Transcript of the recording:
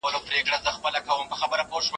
موږ باید نورو اغیزمنو عواملو ته هم پام وکړو.